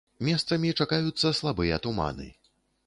Месцамі чакаюцца слабыя туманы.